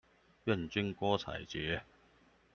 願君郭采潔